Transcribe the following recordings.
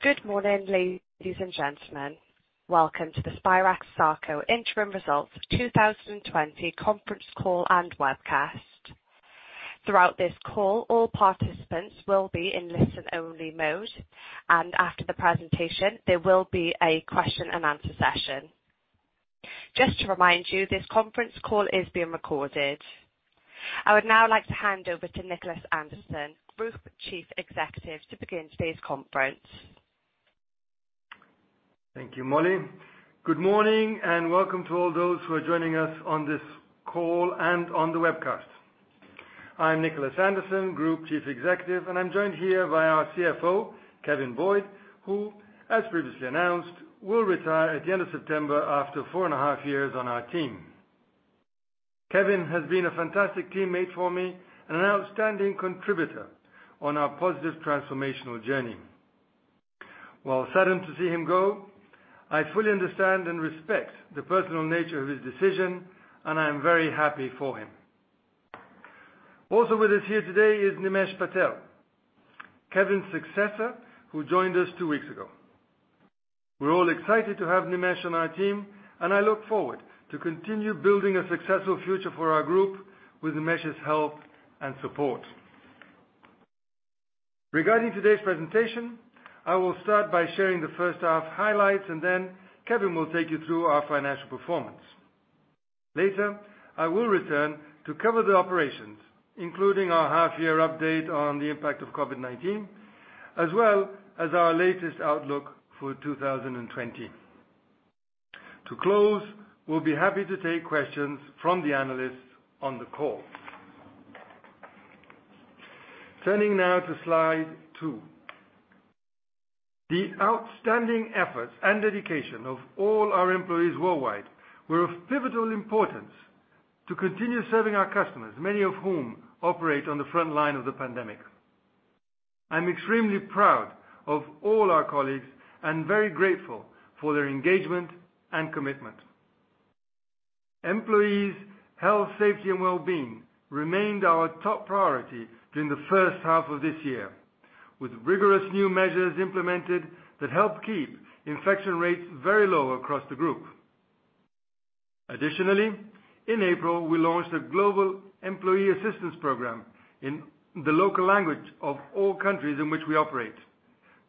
Good morning, ladies and gentlemen. Welcome to the Spirax-Sarco Interim Results 2020 Conference Call and Webcast. Throughout this call, all participants will be in listen-only mode, and after the presentation, there will be a question-and-answer session. Just to remind you, this conference call is being recorded. I would now like to hand over to Nicholas Anderson, Group Chief Executive, to begin today's conference. Thank you, Molly. Good morning and welcome to all those who are joining us on this call and on the webcast. I'm Nicholas Anderson, Group Chief Executive, and I'm joined here by our CFO, Kevin Boyd, who, as previously announced, will retire at the end of September after four and a half years on our team. Kevin has been a fantastic teammate for me and an outstanding contributor on our positive transformational journey. While saddened to see him go, I fully understand and respect the personal nature of his decision, and I am very happy for him. Also with us here today is Nimesh Patel, Kevin's successor, who joined us two weeks ago. We're all excited to have Nimesh on our team, and I look forward to continuing to build a successful future for our group with Nimesh's help and support. Regarding today's presentation, I will start by sharing the first half highlights, and then Kevin will take you through our financial performance. Later, I will return to cover the operations, including our half-year update on the impact of COVID-19, as well as our latest outlook for 2020. To close, we'll be happy to take questions from the analysts on the call. Turning now to slide two. The outstanding efforts and dedication of all our employees worldwide were of pivotal importance to continue serving our customers, many of whom operate on the front line of the pandemic. I'm extremely proud of all our colleagues and very grateful for their engagement and commitment. Employees' health, safety, and well-being remained our top priority during the first half of this year, with rigorous new measures implemented that helped keep infection rates very low across the group. Additionally, in April, we launched a global employee assistance program in the local language of all countries in which we operate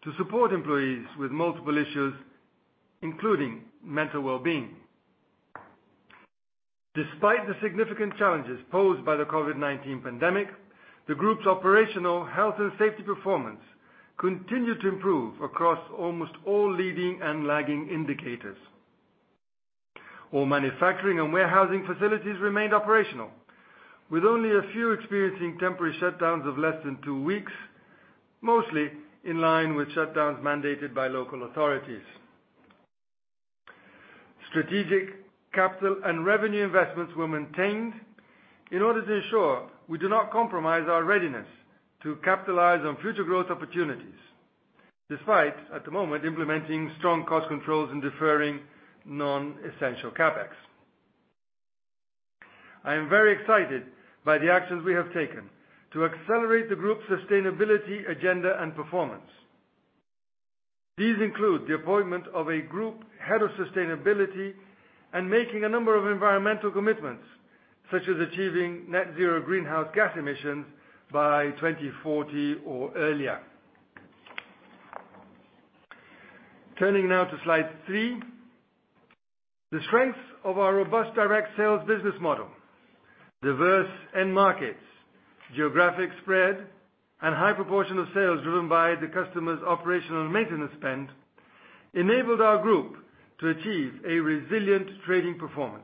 to support employees with multiple issues, including mental well-being. Despite the significant challenges posed by the COVID-19 pandemic, the group's operational health and safety performance continued to improve across almost all leading and lagging indicators. All manufacturing and warehousing facilities remained operational, with only a few experiencing temporary shutdowns of less than two weeks, mostly in line with shutdowns mandated by local authorities. Strategic capital and revenue investments were maintained in order to ensure we do not compromise our readiness to capitalize on future growth opportunities, despite at the moment implementing strong cost controls and deferring non-essential CapEx. I am very excited by the actions we have taken to accelerate the group's sustainability agenda and performance. These include the appointment of a group head of sustainability and making a number of environmental commitments, such as achieving net-zero greenhouse gas emissions by 2040 or earlier. Turning now to slide three. The strengths of our robust direct sales business model, diverse end markets, geographic spread, and high proportion of sales driven by the customer's operational and maintenance spend enabled our group to achieve a resilient trading performance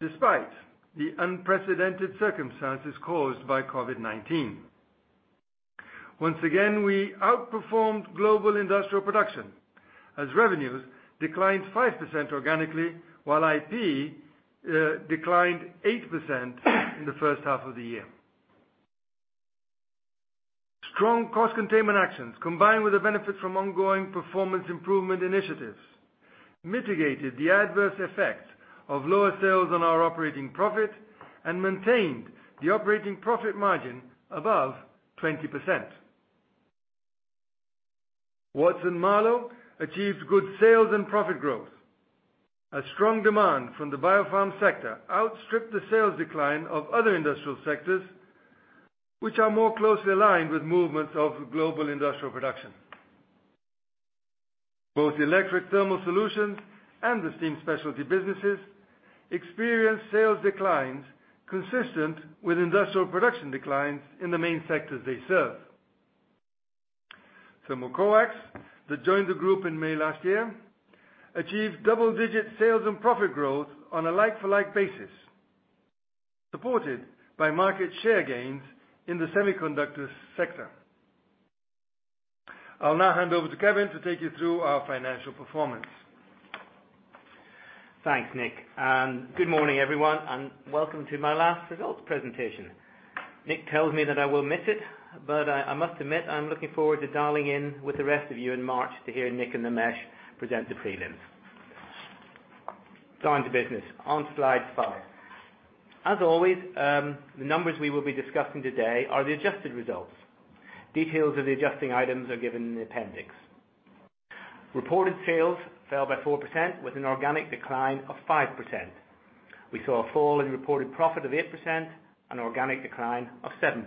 despite the unprecedented circumstances caused by COVID-19. Once again, we outperformed global industrial production as revenues declined 5% organically, while IP declined 8% in the first half of the year. Strong cost containment actions, combined with the benefits from ongoing performance improvement initiatives, mitigated the adverse effects of lower sales on our operating profit and maintained the operating profit margin above 20%. Watson-Marlow achieved good sales and profit growth. A strong demand from the biopharma sector outstripped the sales decline of other industrial sectors, which are more closely aligned with movements of global industrial production. Both Electric Thermal Solutions and the Steam Specialties businesses experienced sales declines consistent with industrial production declines in the main sectors they serve. Thermocoax, that joined the group in May last year, achieved double-digit sales and profit growth on a like-for-like basis, supported by market share gains in the semiconductor sector. I'll now hand over to Kevin to take you through our financial performance. Thanks, Nick. Good morning, everyone, and welcome to my last results presentation. Nick tells me that I will miss it, but I must admit I'm looking forward to dialing in with the rest of you in March to hear Nick and Nimesh present the prelims. Time to business. On to slide five. As always, the numbers we will be discussing today are the adjusted results. Details of the adjusting items are given in the appendix. Reported sales fell by 4%, with an organic decline of 5%. We saw a fall in reported profit of 8% and organic decline of 7%.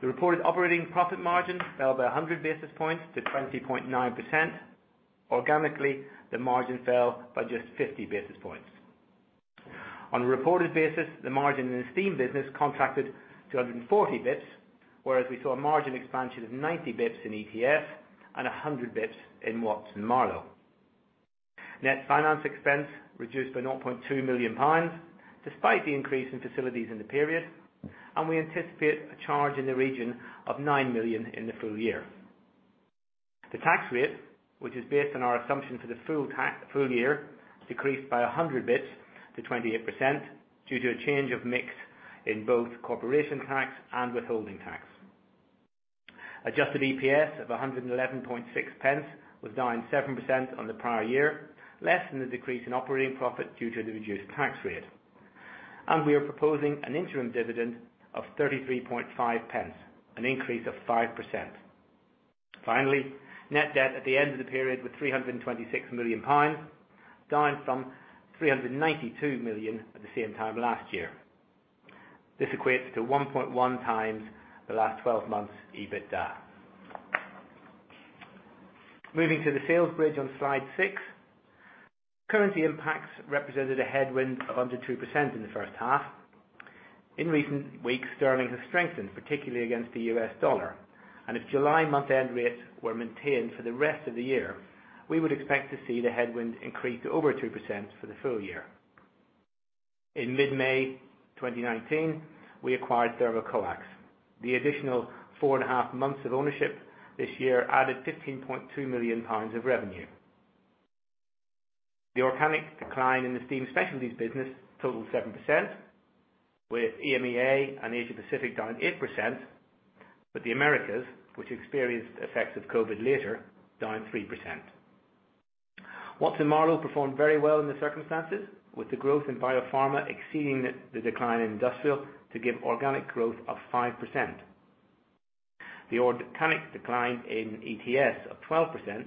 The reported operating profit margin fell by 100 basis points to 20.9%. Organically, the margin fell by just 50 basis points. On a reported basis, the margin in the steam business contracted to 140 basis points, whereas we saw a margin expansion of 90 basis points in ETS and 100 basis points in Watson-Marlow. Net finance expense reduced by 0.2 million pounds, despite the increase in facilities in the period, and we anticipate a charge in the region of 9 million GBP in the full year. The tax rate, which is based on our assumption for the full year, decreased by 100 basis points to 28% due to a change of mix in both corporation tax and withholding tax. Adjusted EPS of 1.116 was down 7% on the prior year, less than the decrease in operating profit due to the reduced tax rate. We are proposing an interim dividend of 0.335, an increase of 5%. Finally, net debt at the end of the period was 326 million pounds, down from 392 million at the same time last year. This equates to 1.1 times the last 12 months EBITDA. Moving to the sales bridge on slide six, currency impacts represented a headwind of under 2% in the first half. In recent weeks, sterling has strengthened, particularly against the US dollar, and if July month-end rates were maintained for the rest of the year, we would expect to see the headwind increase to over 2% for the full year. In mid-May 2019, we acquired Thermocoax. The additional four and a half months of ownership this year added 15.2 million pounds of revenue. The organic decline in the Steam Specialties business totaled 7%, with EMEA and Asia-Pacific down 8%, but the Americas, which experienced effects of COVID later, down 3%. Watson-Marlow performed very well in the circumstances, with the growth in biopharma exceeding the decline in industrial to give organic growth of 5%. The organic decline in ETS of 12%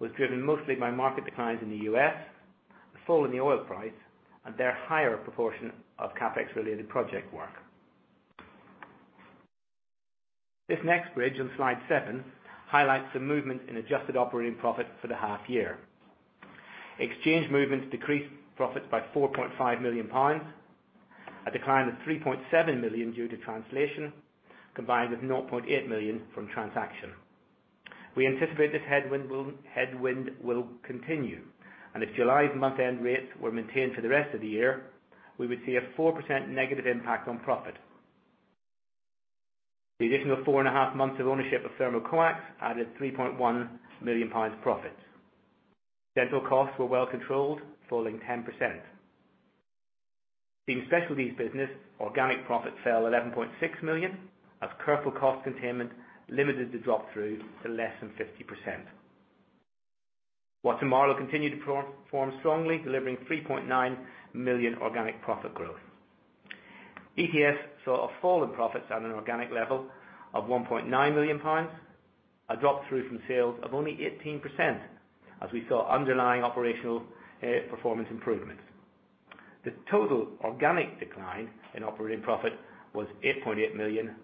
was driven mostly by market declines in the U.S., a fall in the oil price, and their higher proportion of CapEx-related project work. This next bridge on slide seven highlights the movement in adjusted operating profit for the half year. Exchange movements decreased profits by 4.5 million pounds, a decline of 3.7 million due to translation, combined with 0.8 million from transaction. We anticipate this headwind will continue, and if July's month-end rates were maintained for the rest of the year, we would see a 4% negative impact on profit. The additional four and a half months of ownership of Thermocoax added 3.1 million pounds profit. General costs were well controlled, falling 10%. Steam Specialties business organic profit fell 11.6 million as careful cost containment limited the drop-through to less than 50%. Watson-Marlow continued to perform strongly, delivering 3.9 million organic profit growth. ETS saw a fall in profits at an organic level of 1.9 million pounds, a drop-through from sales of only 18%, as we saw underlying operational performance improvements. The total organic decline in operating profit was 8.8 million,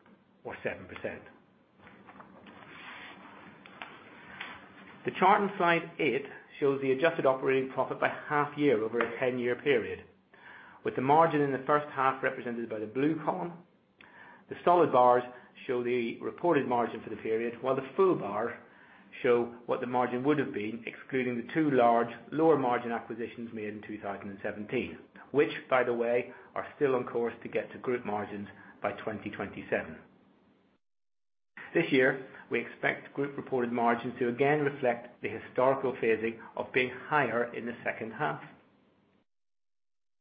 or 7%. The chart on slide eight shows the adjusted operating profit by half year over a 10-year period, with the margin in the first half represented by the blue column. The solid bars show the reported margin for the period, while the full bars show what the margin would have been, excluding the two large lower-margin acquisitions made in 2017, which, by the way, are still on course to get to group margins by 2027. This year, we expect group reported margins to again reflect the historical phasing of being higher in the second half.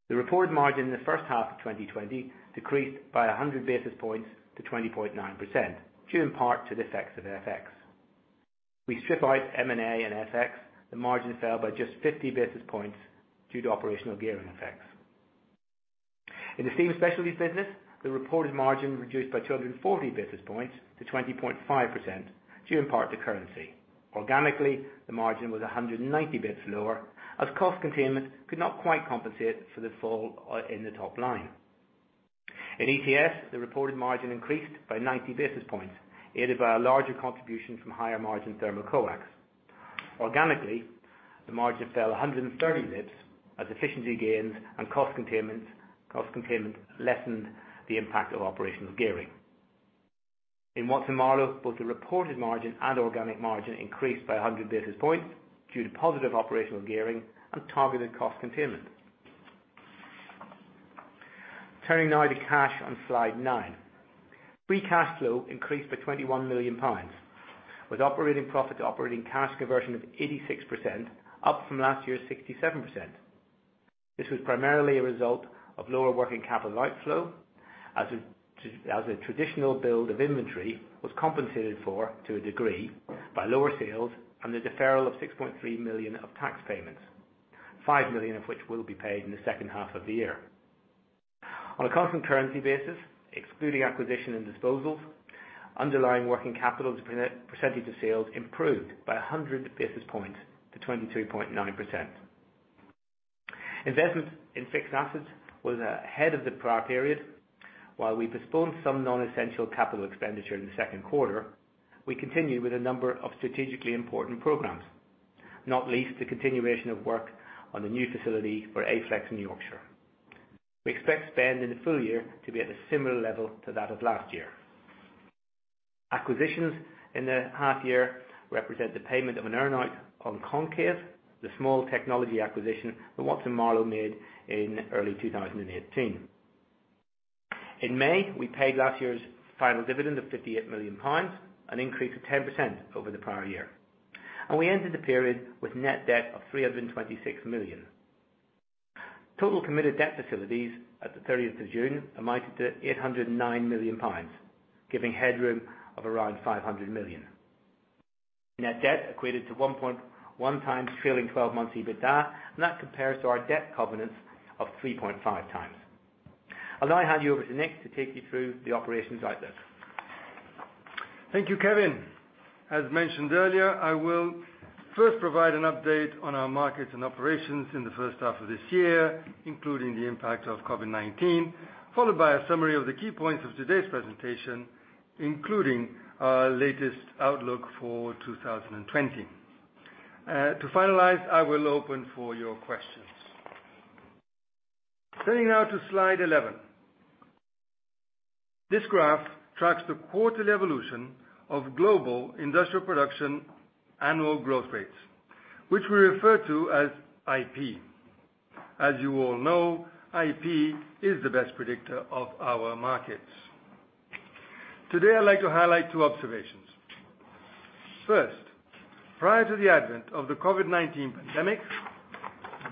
The reported margin in the first half of 2020 decreased by 100 basis points to 20.9%, due in part to the effects of FX. We strip out M&A and FX. The margin fell by just 50 basis points due to operational gearing effects. In the Steam Specialties business, the reported margin reduced by 240 basis points to 20.5%, due in part to currency. Organically, the margin was 190 basis points lower, as cost containment could not quite compensate for the fall in the top line. In ETS, the reported margin increased by 90 basis points, aided by a larger contribution from higher-margin Thermocoax. Organically, the margin fell 130 basis points as efficiency gains and cost containment lessened the impact of operational gearing. In Watson-Marlow, both the reported margin and organic margin increased by 100 basis points due to positive operational gearing and targeted cost containment. Turning now to cash on slide nine. Free cash flow increased by 21 million pounds, with operating profit to operating cash conversion of 86%, up from last year's 67%. This was primarily a result of lower working capital outflow, as a traditional build of inventory was compensated for, to a degree, by lower sales and the deferral of 6.3 million of tax payments, 5 million of which will be paid in the second half of the year. On a constant currency basis, excluding acquisition and disposals, underlying working capital percentage of sales improved by 100 basis points to 23.9%. Investment in fixed assets was ahead of the prior period. While we postponed some non-essential capital expenditure in the second quarter, we continued with a number of strategically important programs, not least the continuation of work on the new facility for Aflex in Yorkshire. We expect spend in the full year to be at a similar level to that of last year. Acquisitions in the half year represent the payment of an earnout on Concave, the small technology acquisition that Watson-Marlow made in early 2018. In May, we paid last year's final dividend of 58 million pounds, an increase of 10% over the prior year. And we ended the period with net debt of 326 million. Total committed debt facilities at the 30th of June amounted to 809 million pounds, giving headroom of around 500 million. Net debt equated to 1.1 times trailing 12 months EBITDA, and that compares to our debt covenants of 3.5 times. I'll now hand you over to Nick to take you through the operations outlook. Thank you, Kevin. As mentioned earlier, I will first provide an update on our markets and operations in the first half of this year, including the impact of COVID-19, followed by a summary of the key points of today's presentation, including our latest outlook for 2020. To finalize, I will open for your questions. Turning now to slide 11. This graph tracks the quarterly evolution of global industrial production annual growth rates, which we refer to as IP. As you all know, IP is the best predictor of our markets. Today, I'd like to highlight two observations. First, prior to the advent of the COVID-19 pandemic,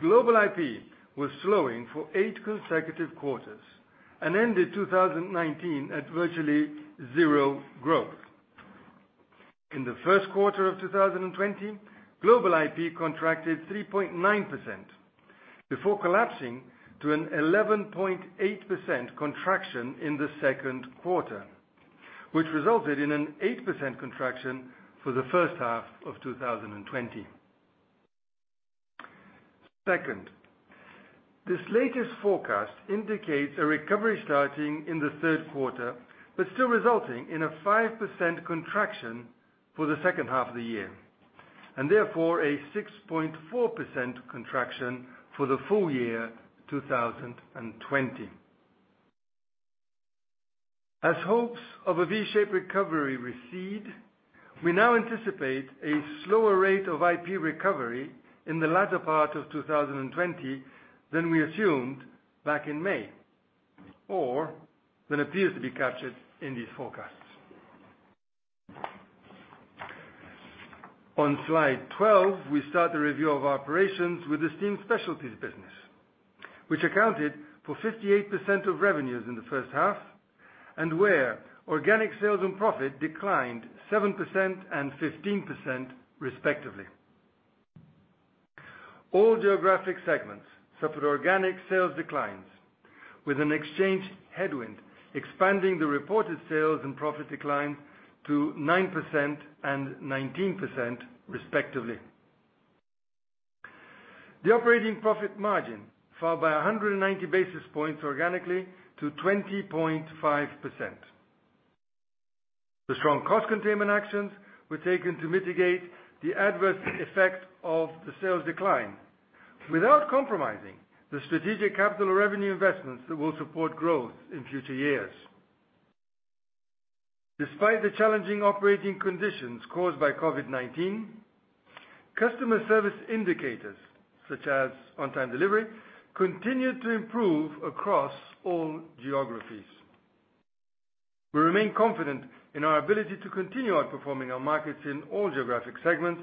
global IP was slowing for eight consecutive quarters and ended 2019 at virtually zero growth. In the first quarter of 2020, global IP contracted 3.9% before collapsing to an 11.8% contraction in the second quarter, which resulted in an 8% contraction for the first half of 2020. Second, this latest forecast indicates a recovery starting in the third quarter, but still resulting in a 5% contraction for the second half of the year, and therefore a 6.4% contraction for the full year 2020. As hopes of a V-shaped recovery recede, we now anticipate a slower rate of IP recovery in the latter part of 2020 than we assumed back in May, or than appears to be captured in these forecasts. On slide 12, we start the review of operations with the Steam Specialties business, which accounted for 58% of revenues in the first half, and where organic sales and profit declined 7% and 15%, respectively. All geographic segments suffered organic sales declines, with an exchange headwind expanding the reported sales and profit declines to 9% and 19%, respectively. The operating profit margin fell by 190 basis points organically to 20.5%. The strong cost containment actions were taken to mitigate the adverse effect of the sales decline without compromising the strategic capital revenue investments that will support growth in future years. Despite the challenging operating conditions caused by COVID-19, customer service indicators, such as on-time delivery, continued to improve across all geographies. We remain confident in our ability to continue outperforming our markets in all geographic segments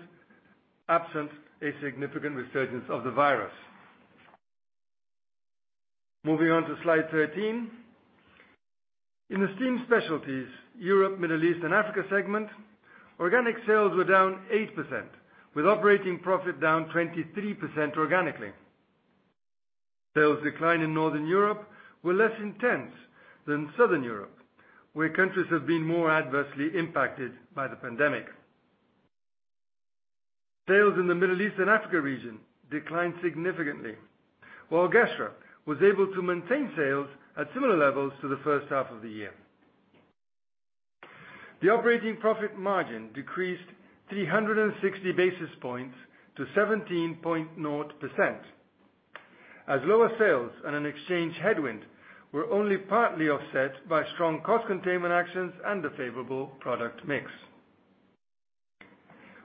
absent a significant resurgence of the virus. Moving on to slide 13. In the Steam Specialties Europe, Middle East, and Africa segment, organic sales were down 8%, with operating profit down 23% organically. Sales decline in Northern Europe were less intense than in Southern Europe, where countries have been more adversely impacted by the pandemic. Sales in the Middle East and Africa region declined significantly, while Gestra was able to maintain sales at similar levels to the first half of the year. The operating profit margin decreased 360 basis points to 17.0%, as lower sales and an exchange headwind were only partly offset by strong cost containment actions and a favorable product mix.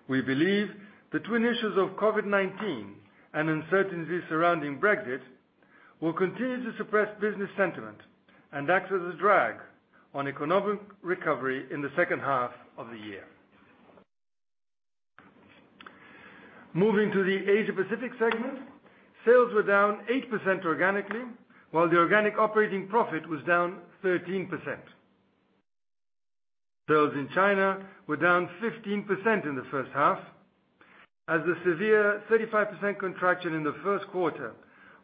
We believe the twin issues of COVID-19 and uncertainty surrounding Brexit will continue to suppress business sentiment and act as a drag on economic recovery in the second half of the year. Moving to the Asia-Pacific segment, sales were down 8% organically, while the organic operating profit was down 13%. Sales in China were down 15% in the first half, as the severe 35% contraction in the first quarter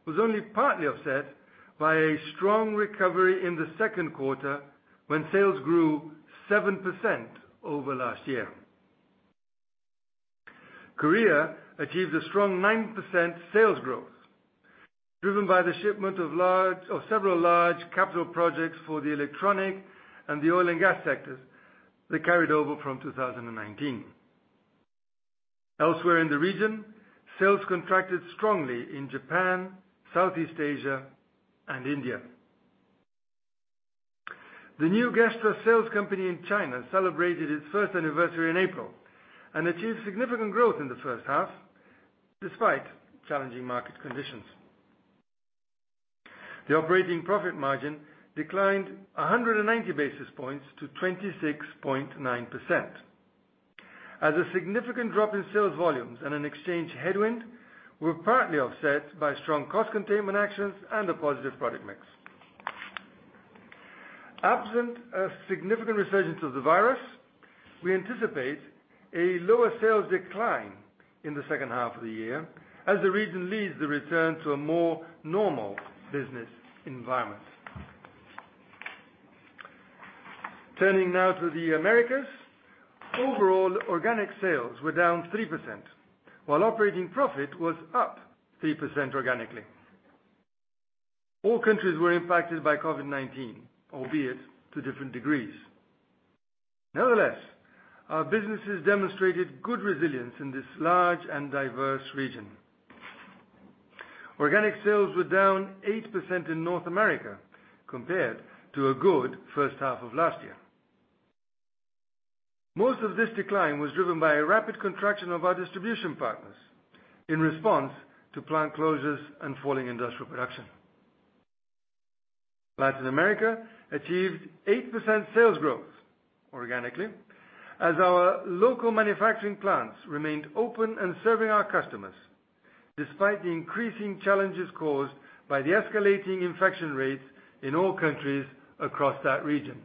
was only partly offset by a strong recovery in the second quarter when sales grew 7% over last year. Korea achieved a strong 9% sales growth, driven by the shipment of several large capital projects for the electronics and the oil and gas sectors that carried over from 2019. Elsewhere in the region, sales contracted strongly in Japan, Southeast Asia, and India. The new Gestra sales company in China celebrated its first anniversary in April and achieved significant growth in the first half despite challenging market conditions. The operating profit margin declined 190 basis points to 26.9%, as a significant drop in sales volumes and an exchange headwind were partly offset by strong cost containment actions and a positive product mix. Absent a significant resurgence of the virus, we anticipate a lower sales decline in the second half of the year as the region leads the return to a more normal business environment. Turning now to the Americas, overall organic sales were down three%, while operating profit was up three% organically. All countries were impacted by COVID-19, albeit to different degrees. Nevertheless, our businesses demonstrated good resilience in this large and diverse region. Organic sales were down eight% in North America compared to a good first half of last year. Most of this decline was driven by a rapid contraction of our distribution partners in response to plant closures and falling industrial production. Latin America achieved eight% sales growth organically, as our local manufacturing plants remained open and serving our customers despite the increasing challenges caused by the escalating infection rates in all countries across that region.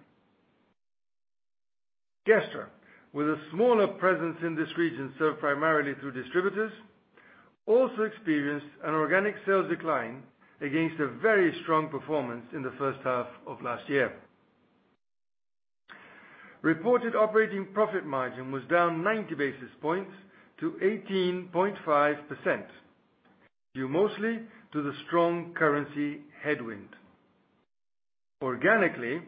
Gestra, with a smaller presence in this region served primarily through distributors, also experienced an organic sales decline against a very strong performance in the first half of last year. Reported operating profit margin was down 90 basis points to 18.5%, due mostly to the strong currency headwind. Organically,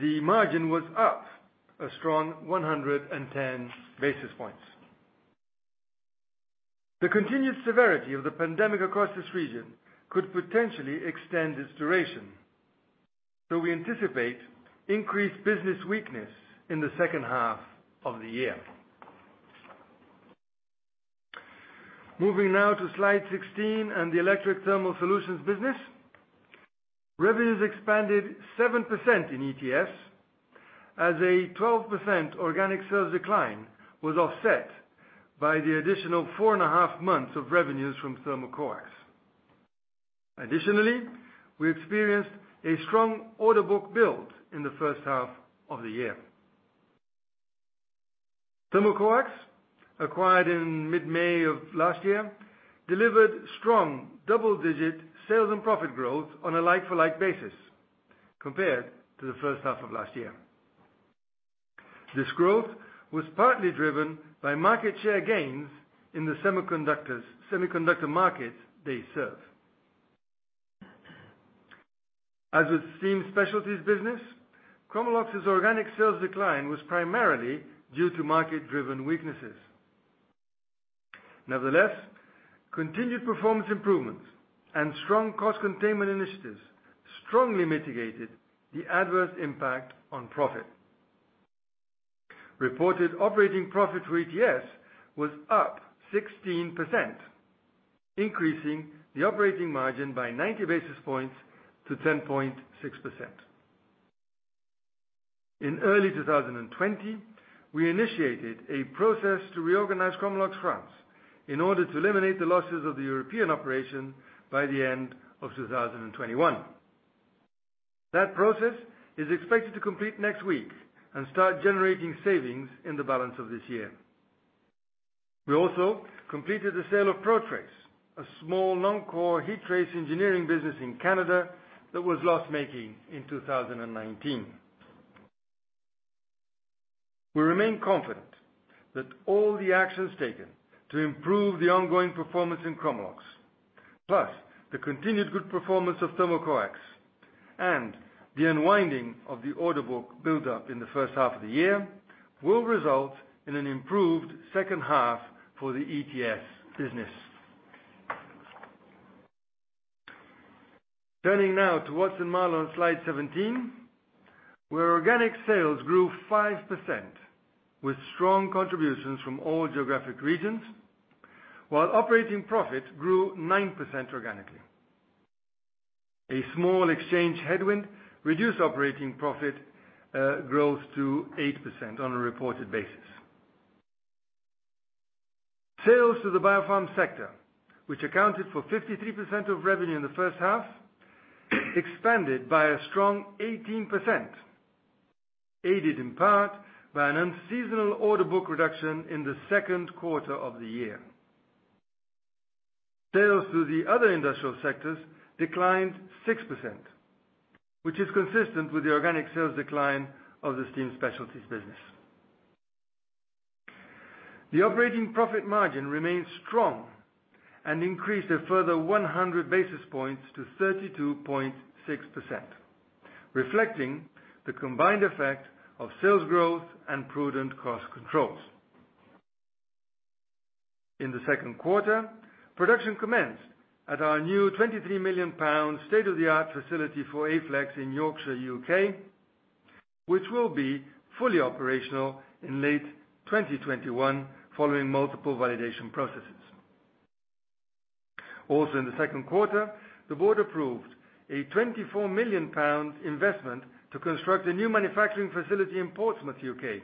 the margin was up a strong 110 basis points. The continued severity of the pandemic across this region could potentially extend its duration, so we anticipate increased business weakness in the second half of the year. Moving now to Slide 16 and the Electric Thermal Solutions business, revenues expanded 7% in ETS as a 12% organic sales decline was offset by the additional four and a half months of revenues from Thermocoax. Additionally, we experienced a strong order book build in the first half of the year. Thermocoax, acquired in mid-May of last year, delivered strong double-digit sales and profit growth on a like-for-like basis compared to the first half of last year. This growth was partly driven by market share gains in the semiconductor market they serve. As with Steam Specialties business, Chromalox's organic sales decline was primarily due to market-driven weaknesses. Nevertheless, continued performance improvements and strong cost containment initiatives strongly mitigated the adverse impact on profit. Reported operating profit for ETS was up 16%, increasing the operating margin by 90 basis points to 10.6%. In early 2020, we initiated a process to reorganize Chromalox France in order to eliminate the losses of the European operation by the end of 2021. That process is expected to complete next week and start generating savings in the balance of this year. We also completed the sale of ProTrace, a small non-core heat trace engineering business in Canada that was loss-making in 2019. We remain confident that all the actions taken to improve the ongoing performance in Chromalox, plus the continued good performance of Thermocoax and the unwinding of the order book build-up in the first half of the year, will result in an improved second half for the ETS business. Turning now to Watson-Marlow on slide 17, where organic sales grew 5% with strong contributions from all geographic regions, while operating profit grew 9% organically. A small exchange headwind reduced operating profit growth to 8% on a reported basis. Sales to the biopharma sector, which accounted for 53% of revenue in the first half, expanded by a strong 18%, aided in part by an unseasonal order book reduction in the second quarter of the year. Sales to the other industrial sectors declined 6%, which is consistent with the organic sales decline of the Steam Specialties business. The operating profit margin remained strong and increased a further 100 basis points to 32.6%, reflecting the combined effect of sales growth and prudent cost controls. In the second quarter, production commenced at our new 23 million pound state-of-the-art facility for Aflex in Yorkshire, U.K., which will be fully operational in late 2021 following multiple validation processes. Also, in the second quarter, the board approved a 24 million pounds investment to construct a new manufacturing facility in Portsmouth, U.K.,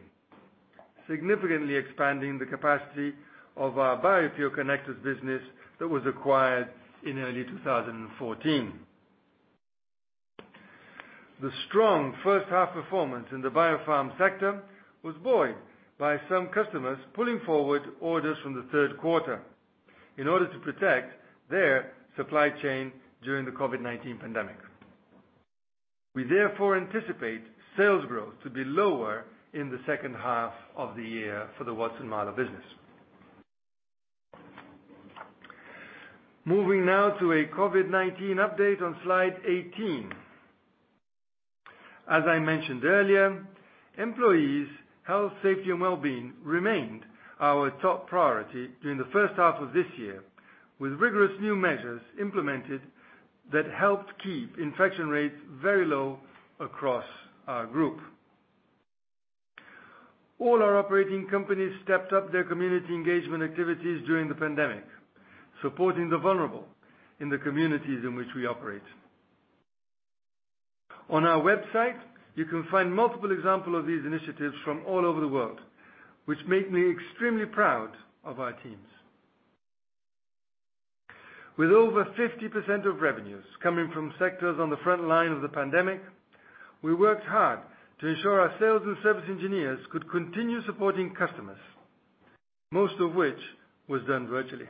significantly expanding the capacity of our BioPure business that was acquired in early 2014. The strong first-half performance in the biopharma sector was buoyed by some customers pulling forward orders from the third quarter in order to protect their supply chain during the COVID-19 pandemic. We therefore anticipate sales growth to be lower in the second half of the year for the Watson-Marlow business. Moving now to a COVID-19 update on slide 18. As I mentioned earlier, employees' health, safety, and well-being remained our top priority during the first half of this year, with rigorous new measures implemented that helped keep infection rates very low across our group. All our operating companies stepped up their community engagement activities during the pandemic, supporting the vulnerable in the communities in which we operate. On our website, you can find multiple examples of these initiatives from all over the world, which make me extremely proud of our teams. With over 50% of revenues coming from sectors on the front line of the pandemic, we worked hard to ensure our sales and service engineers could continue supporting customers, most of which was done virtually.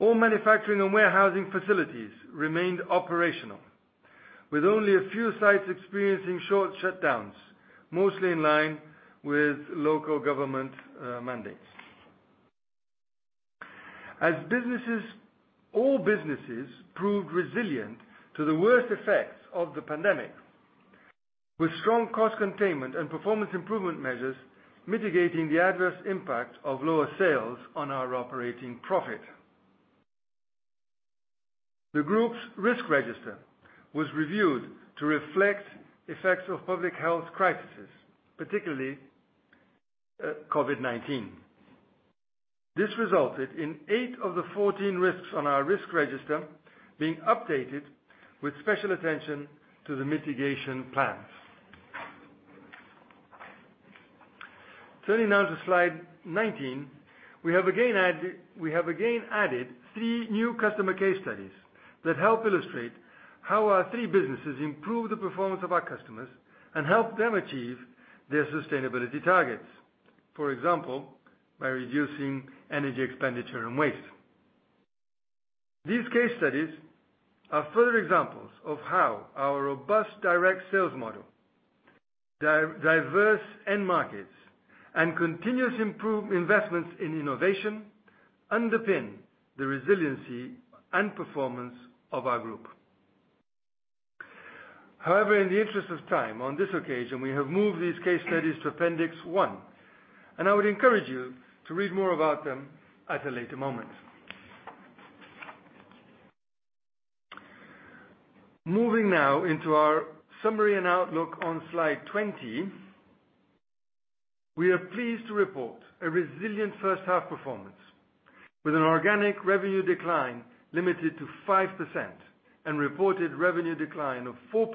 All manufacturing and warehousing facilities remained operational, with only a few sites experiencing short shutdowns, mostly in line with local government mandates. As businesses, all businesses proved resilient to the worst effects of the pandemic, with strong cost containment and performance improvement measures mitigating the adverse impact of lower sales on our operating profit. The group's risk register was reviewed to reflect effects of public health crises, particularly COVID-19. This resulted in eight of the 14 risks on our risk register being updated with special attention to the mitigation plans. Turning now to slide 19, we have again added three new customer case studies that help illustrate how our three businesses improve the performance of our customers and help them achieve their sustainability targets, for example, by reducing energy expenditure and waste. These case studies are further examples of how our robust direct sales model, diverse end markets, and continuous investments in innovation underpin the resiliency and performance of our group. However, in the interest of time, on this occasion, we have moved these case studies to Appendix 1, and I would encourage you to read more about them at a later moment. Moving now into our summary and outlook on slide 20, we are pleased to report a resilient first-half performance with an organic revenue decline limited to 5% and reported revenue decline of 4%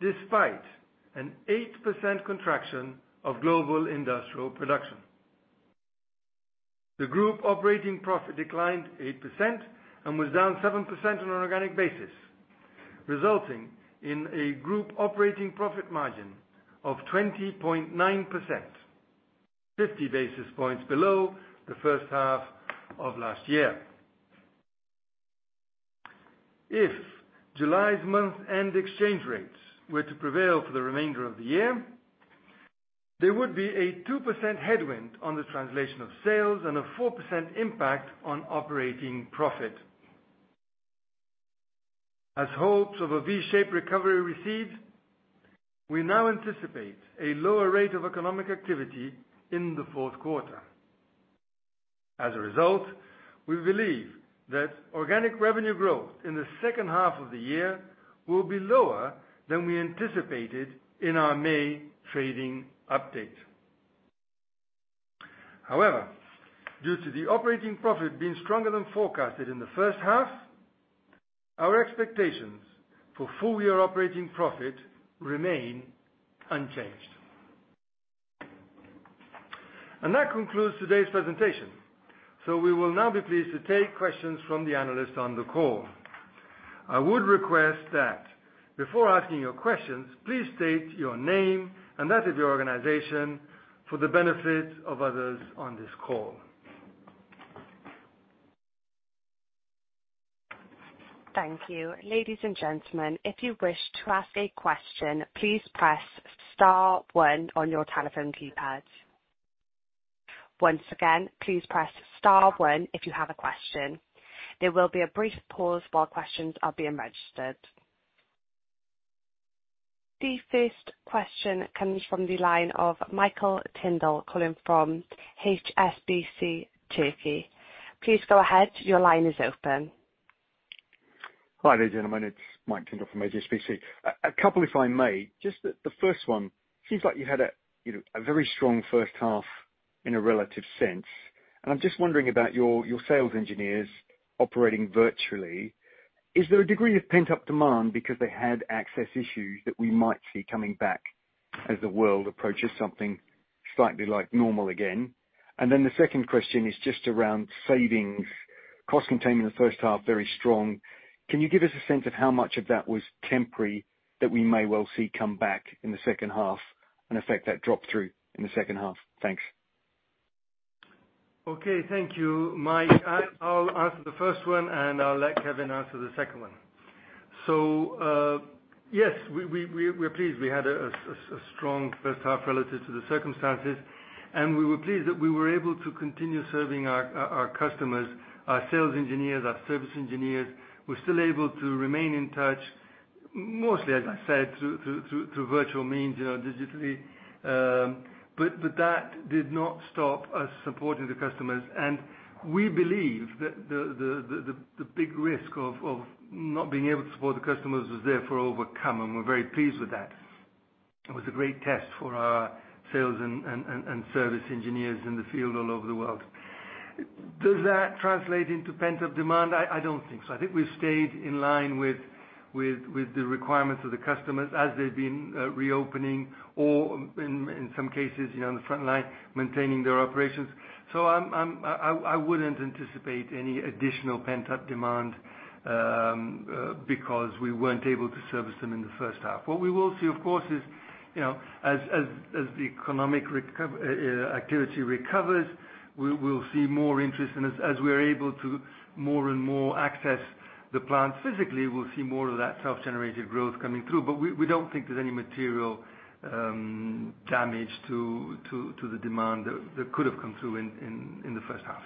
despite an 8% contraction of global industrial production. The group operating profit declined 8% and was down 7% on an organic basis, resulting in a group operating profit margin of 20.9%, 50 basis points below the first half of last year. If July's month-end exchange rates were to prevail for the remainder of the year, there would be a 2% headwind on the translation of sales and a 4% impact on operating profit. As hopes of a V-shaped recovery recede, we now anticipate a lower rate of economic activity in the fourth quarter. As a result, we believe that organic revenue growth in the second half of the year will be lower than we anticipated in our May trading update. However, due to the operating profit being stronger than forecasted in the first half, our expectations for full-year operating profit remain unchanged. And that concludes today's presentation, so we will now be pleased to take questions from the analysts on the call. I would request that before asking your questions, please state your name and that of your organization for the benefit of others on this call. Thank you. Ladies and gentlemen, if you wish to ask a question, please press Star 1 on your telephone keypad. Once again, please press Star 1 if you have a question. There will be a brief pause while questions are being registered. The first question comes from the line of Michael Tyndall, calling from HSBC Turkey. Please go ahead. Your line is open. Hi there, gentlemen. It's Mike Tyndall from HSBC. A couple, if I may, just the first one. It seems like you had a very strong first half in a relative sense, and I'm just wondering about your sales engineers operating virtually. Is there a degree of pent-up demand because they had access issues that we might see coming back as the world approaches something slightly like normal again? And then the second question is just around savings, cost containment in the first half, very strong. Can you give us a sense of how much of that was temporary that we may well see come back in the second half and affect that drop through in the second half? Thanks. Okay. Thank you, Mike. I'll answer the first one, and I'll let Kevin answer the second one. So yes, we're pleased. We had a strong first half relative to the circumstances, and we were pleased that we were able to continue serving our customers, our sales engineers, our service engineers. We're still able to remain in touch, mostly, as I said, through virtual means, digitally, but that did not stop us supporting the customers. And we believe that the big risk of not being able to support the customers was therefore overcome, and we're very pleased with that. It was a great test for our sales and service engineers in the field all over the world. Does that translate into pent-up demand? I don't think so. I think we've stayed in line with the requirements of the customers as they've been reopening or, in some cases, on the front line, maintaining their operations. So I wouldn't anticipate any additional pent-up demand because we weren't able to service them in the first half. What we will see, of course, is as the economic activity recovers, we'll see more interest, and as we're able to more and more access the plants physically, we'll see more of that self-generated growth coming through, but we don't think there's any material damage to the demand that could have come through in the first half.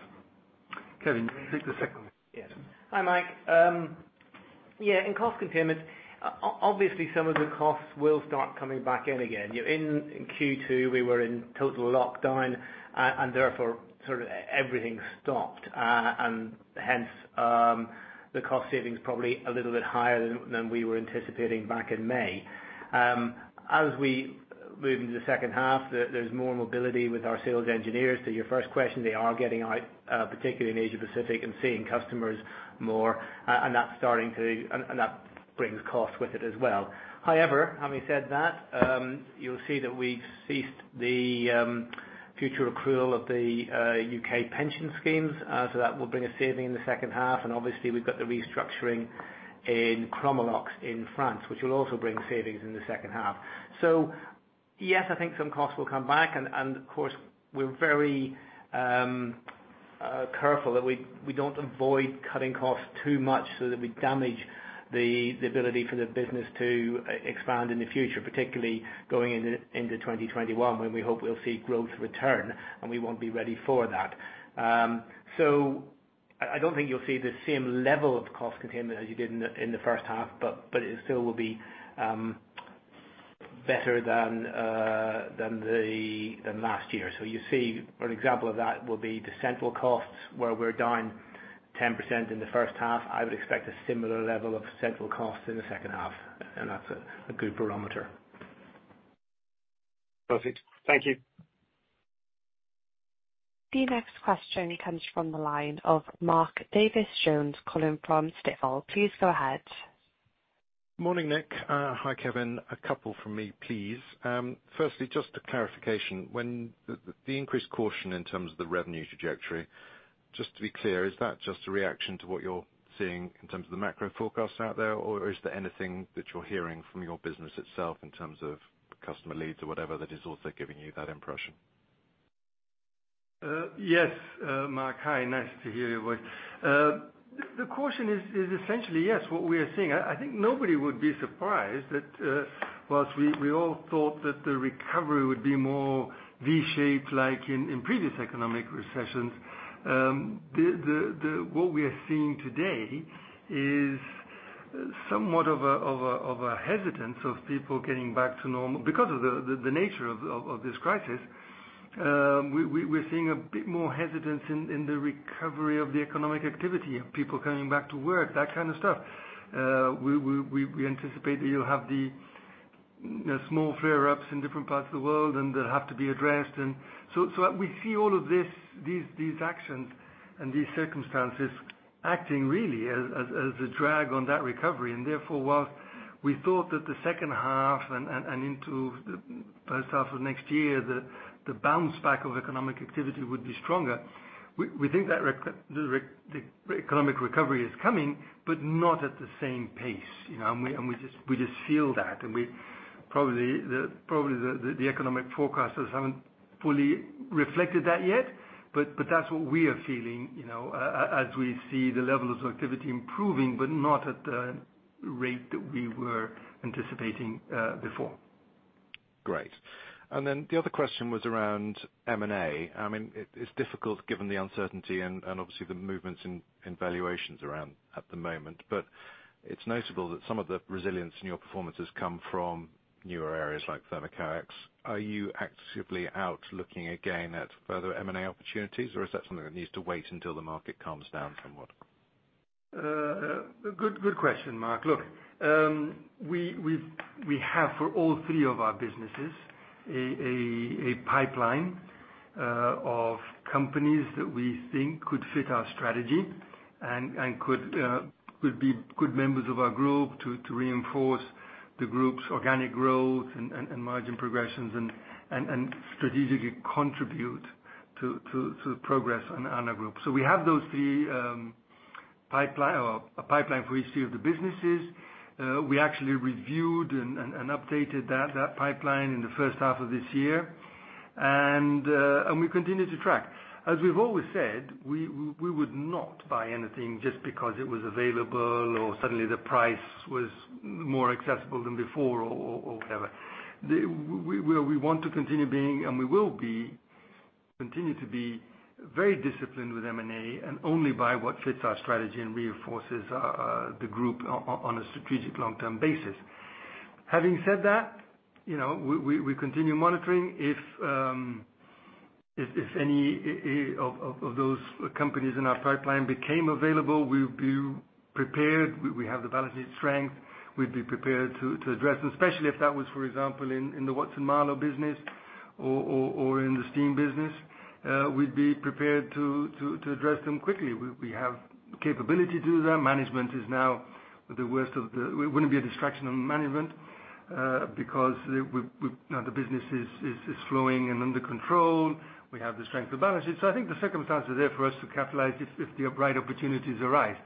Kevin, you can take the second one. Yes. Hi, Mike. Yeah, in cost containment, obviously, some of the costs will start coming back in again. In Q2, we were in total lockdown, and therefore, sort of everything stopped, and hence, the cost savings probably a little bit higher than we were anticipating back in May. As we move into the second half, there's more mobility with our sales engineers. To your first question, they are getting out, particularly in Asia-Pacific, and seeing customers more, and that's starting to, and that brings costs with it as well. However, having said that, you'll see that we've ceased the future accrual of the U.K. pension schemes, so that will bring a saving in the second half, and obviously, we've got the restructuring in Chromalox in France, which will also bring savings in the second half. So yes, I think some costs will come back, and of course, we're very careful that we don't avoid cutting costs too much so that we damage the ability for the business to expand in the future, particularly going into 2021 when we hope we'll see growth return, and we won't be ready for that. So I don't think you'll see the same level of cost containment as you did in the first half, but it still will be better than last year. So you see an example of that will be the central costs where we're down 10% in the first half. I would expect a similar level of central costs in the second half, and that's a good barometer. Perfect. Thank you. The next question comes from the line of Mark Davies Jones, calling from Stifel. Please go ahead. Morning, Nick. Hi, Kevin. A couple from me, please. Firstly, just a clarification. The increased caution in terms of the revenue trajectory, just to be clear, is that just a reaction to what you're seeing in terms of the macro forecasts out there, or is there anything that you're hearing from your business itself in terms of customer leads or whatever that is also giving you that impression? Yes, Mark. Hi. Nice to hear your voice. The caution is essentially, yes, what we are seeing. I think nobody would be surprised that, whilst we all thought that the recovery would be more V-shaped like in previous economic recessions, what we are seeing today is somewhat of a hesitance of people getting back to normal because of the nature of this crisis. We're seeing a bit more hesitance in the recovery of the economic activity of people coming back to work, that kind of stuff. We anticipate that you'll have the small flare-ups in different parts of the world, and they'll have to be addressed. And so we see all of these actions and these circumstances acting really as a drag on that recovery. And therefore, whilst we thought that the second half and into the first half of next year, the bounce back of economic activity would be stronger, we think that the economic recovery is coming, but not at the same pace. And we just feel that. And probably the economic forecasters haven't fully reflected that yet, but that's what we are feeling as we see the levels of activity improving, but not at the rate that we were anticipating before. Great. And then the other question was around M&A. I mean, it's difficult given the uncertainty and obviously the movements in valuations around at the moment, but it's notable that some of the resilience in your performances come from newer areas like Thermocoax. Are you actively out looking again at further M&A opportunities, or is that something that needs to wait until the market calms down somewhat? Good question, Mark. Look, we have, for all three of our businesses, a pipeline of companies that we think could fit our strategy and could be good members of our group to reinforce the group's organic growth and margin progressions and strategically contribute to progress on our group. So we have those three pipelines or a pipeline for each three of the businesses. We actually reviewed and updated that pipeline in the first half of this year, and we continue to track. As we've always said, we would not buy anything just because it was available or suddenly the price was more accessible than before or whatever. We want to continue being, and we will continue to be very disciplined with M&A and only buy what fits our strategy and reinforces the group on a strategic long-term basis. Having said that, we continue monitoring. If any of those companies in our pipeline became available, we'd be prepared. We have the balance sheet strength. We'd be prepared to address them, especially if that was, for example, in the Watson-Marlow business or in the steam business. We'd be prepared to address them quickly. We have capability to do that. Management is now. It wouldn't be a distraction on management because the business is flowing and under control. We have the strength of balance sheet. So I think the circumstances are there for us to capitalize if the right opportunities arise.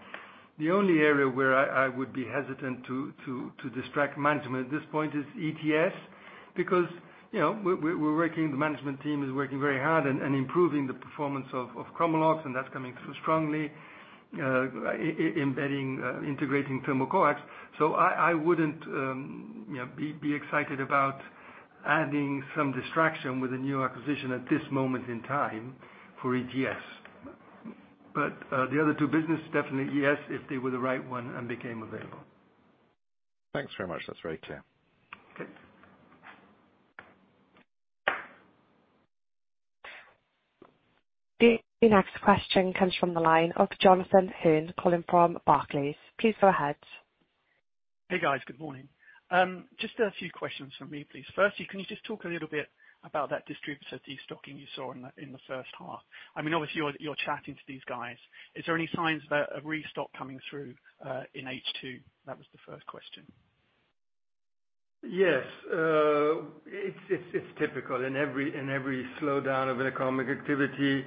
The only area where I would be hesitant to distract management at this point is ETS because we're working, the management team is working very hard and improving the performance of Chromalox, and that's coming through strongly, integrating Thermocoax. So I wouldn't be excited about adding some distraction with a new acquisition at this moment in time for ETS. But the other two businesses, definitely yes, if they were the right one and became available. Thanks very much. That's very clear. The next question comes from the line of Jonathan Hurn, calling from Barclays. Please go ahead. Hey, guys. Good morning. Just a few questions from me, please. Firstly, can you just talk a little bit about that distributor de-stocking you saw in the first half? I mean, obviously, you're chatting to these guys. Is there any signs of a restock coming through in H2? That was the first question. Yes. It's typical in every slowdown of an economic activity,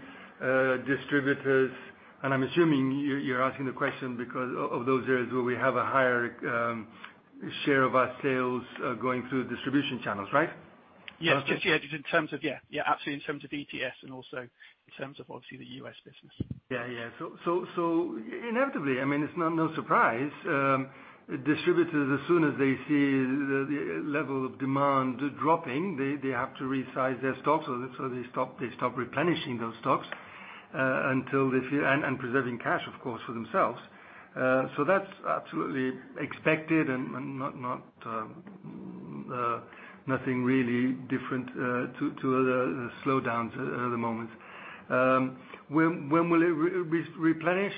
distributors. And I'm assuming you're asking the question because of those areas where we have a higher share of our sales going through distribution channels, right? Yes. Just yeah, just in terms of, yeah, yeah, absolutely, in terms of ETS and also in terms of, obviously, the US business. Yeah, yeah. So inevitably, I mean, it's no surprise. Distributors, as soon as they see the level of demand dropping, they have to resize their stocks, so they stop replenishing those stocks until they feel, and preserving cash, of course, for themselves. So that's absolutely expected and nothing really different to other slowdowns at other moments. When will it replenish?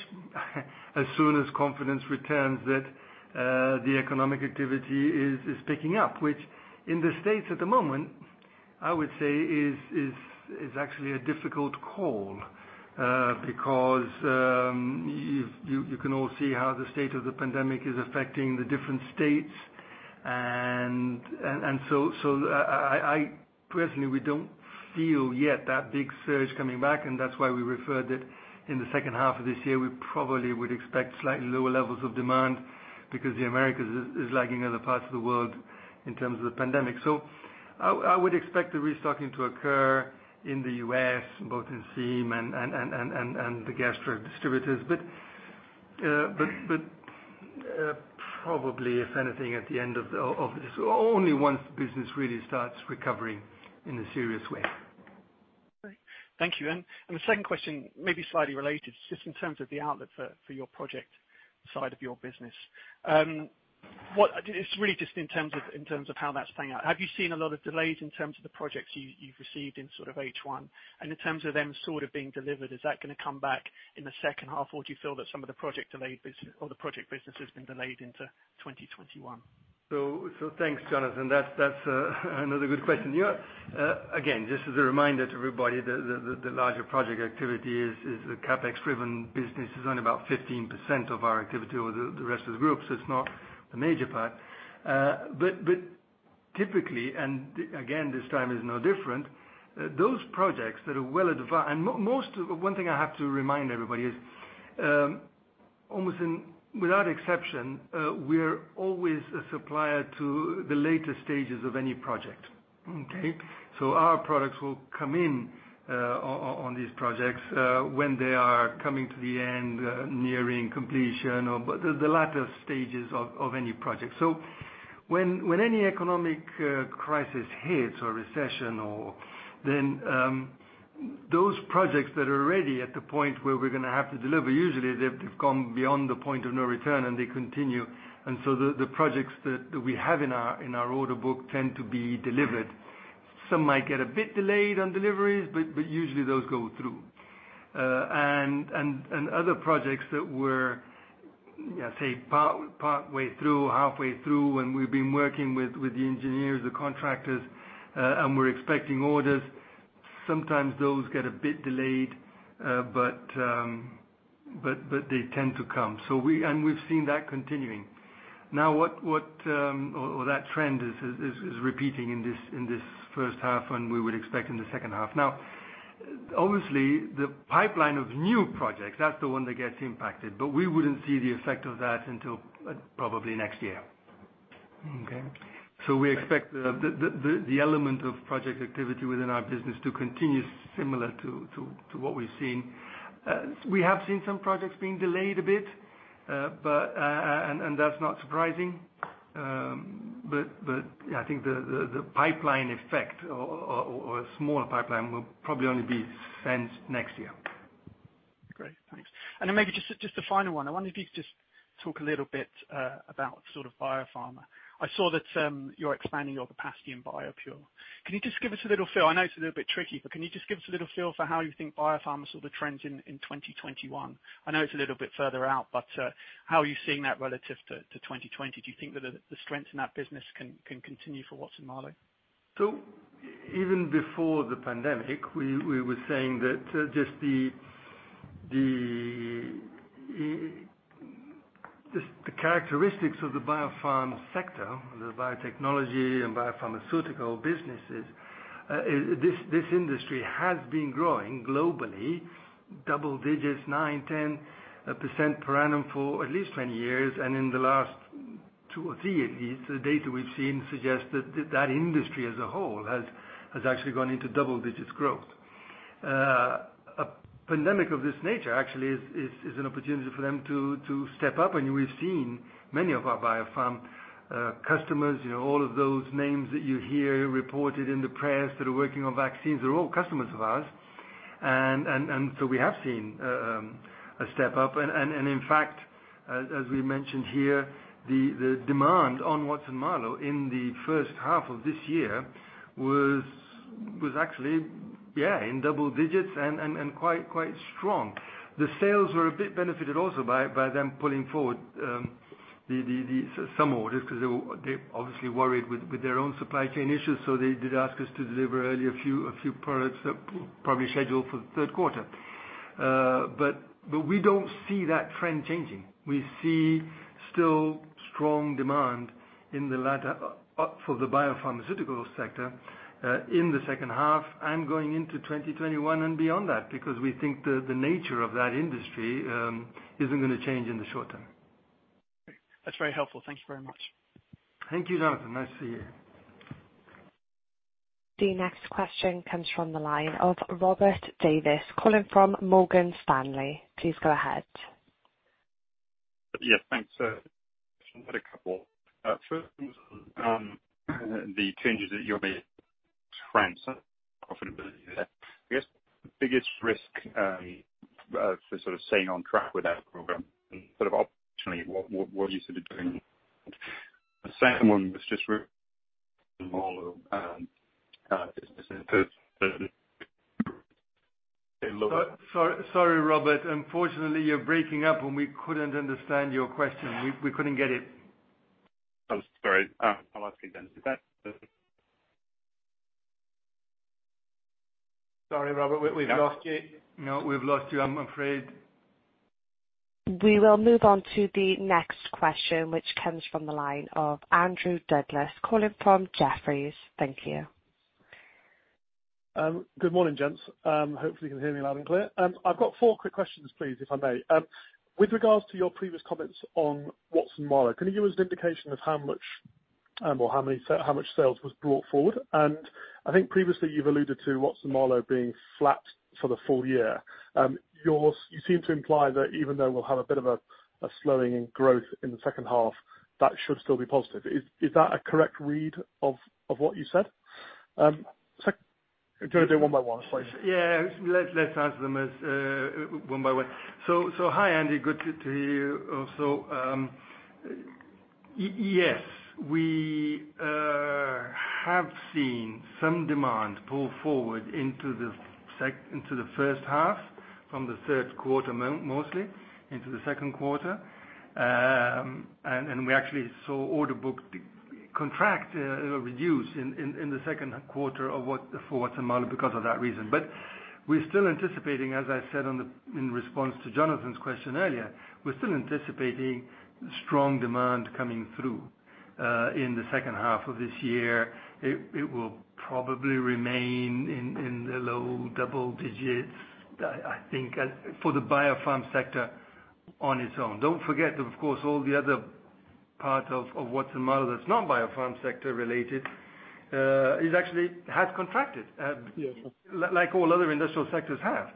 As soon as confidence returns that the economic activity is picking up, which in the States at the moment, I would say, is actually a difficult call because you can all see how the state of the pandemic is affecting the different states. And so personally, we don't feel yet that big surge coming back, and that's why we referred that in the second half of this year, we probably would expect slightly lower levels of demand because America is lagging other parts of the world in terms of the pandemic. So I would expect the restocking to occur in the U.S., both in steam and the gas distributors, but probably, if anything, at the end of this, only once the business really starts recovering in a serious way. Thank you. And the second question, maybe slightly related, just in terms of the outlook for your project side of your business. It's really just in terms of how that's playing out. Have you seen a lot of delays in terms of the projects you've received in sort of H1? And in terms of them sort of being delivered, is that going to come back in the second half, or do you feel that some of the project delayed or the project business has been delayed into 2021? So thanks, Jonathan. That's another good question. Again, just as a reminder to everybody, the larger project activity is the CapEx-driven business. It's only about 15% of our activity or the rest of the group, so it's not the major part. But typically, and again, this time is no different, those projects that are well, and one thing I have to remind everybody is, almost without exception, we're always a supplier to the later stages of any project, okay? So our products will come in on these projects when they are coming to the end, nearing completion, or the latter stages of any project. So when any economic crisis hits or recession, then those projects that are already at the point where we're going to have to deliver, usually they've come beyond the point of no return, and they continue. So the projects that we have in our order book tend to be delivered. Some might get a bit delayed on deliveries, but usually those go through. Other projects that were, say, partway through, halfway through, and we've been working with the engineers, the contractors, and we're expecting orders, sometimes those get a bit delayed, but they tend to come. We've seen that continuing. Now, or that trend is repeating in this first half, and we would expect in the second half. Obviously, the pipeline of new projects, that's the one that gets impacted, but we wouldn't see the effect of that until probably next year, okay? We expect the element of project activity within our business to continue similar to what we've seen. We have seen some projects being delayed a bit, and that's not surprising. But I think the pipeline effect or a small pipeline will probably only be sensed next year. Great. Thanks. And then maybe just a final one. I wonder if you could just talk a little bit about sort of biopharma. I saw that you're expanding your capacity in BioPure. Can you just give us a little feel? I know it's a little bit tricky, but can you just give us a little feel for how you think biopharma saw the trends in 2021? I know it's a little bit further out, but how are you seeing that relative to 2020? Do you think that the strength in that business can continue for Watson-Marlow? Even before the pandemic, we were saying that just the characteristics of the biopharma sector, the biotechnology and biopharmaceutical businesses, this industry has been growing globally, double digits, 9-10% per annum for at least 20 years. And in the last two or three, at least, the data we've seen suggests that that industry as a whole has actually gone into double digits growth. A pandemic of this nature actually is an opportunity for them to step up. And we've seen many of our biopharma customers, all of those names that you hear reported in the press that are working on vaccines, they're all customers of ours. And so we have seen a step up. And in fact, as we mentioned here, the demand on Watson-Marlow in the first half of this year was actually, yeah, in double digits and quite strong. The sales were a bit benefited also by them pulling forward some orders because they were obviously worried with their own supply chain issues, so they did ask us to deliver early a few products that were probably scheduled for the third quarter. But we don't see that trend changing. We see still strong demand for the biopharmaceutical sector in the second half and going into 2021 and beyond that because we think the nature of that industry isn't going to change in the short term. That's very helpful. Thank you very much. Thank you, Jonathan. Nice to see you. The next question comes from the line of Robert Davies calling from Morgan Stanley. Please go ahead. Yes, thanks. I had a couple. First, the changes that you're making to France re profitability. I guess the biggest risk for sort of staying on track with that program and sort of operationally, what are you sort of doing? The second one was just really small businesses. Sorry, Robert. Unfortunately, you're breaking up, and we couldn't understand your question. We couldn't get it. I'm sorry. I'll ask again. Is that the? Sorry, Robert. We've lost you. No, we've lost you. I'm afraid. We will move on to the next question, which comes from the line of Andrew Douglas calling from Jefferies. Thank you. Good morning, gents. Hopefully, you can hear me loud and clear. I've got four quick questions, please, if I may. With regards to your previous comments on Watson-Marlow, can you give us an indication of how much or how much sales was brought forward? And I think previously you've alluded to Watson-Marlow being flat for the full year. You seem to imply that even though we'll have a bit of a slowing in growth in the second half, that should still be positive. Is that a correct read of what you said? Do you want to do it one by one? Yeah. Let's ask them one by one. So hi, Andrew. Good to hear you also. Yes, we have seen some demand pull forward into the first half from the third quarter mostly into the second quarter, and we actually saw order book contract reduce in the second quarter for Watson-Marlow because of that reason, but we're still anticipating, as I said in response to Jonathan's question earlier, we're still anticipating strong demand coming through in the second half of this year. It will probably remain in the low double digits, I think, for the biopharma sector on its own. Don't forget that, of course, all the other part of Watson-Marlow that's not biopharma sector related has contracted, like all other industrial sectors have,